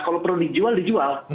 kalau perlu dijual dijual